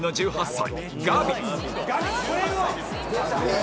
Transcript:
１８歳？」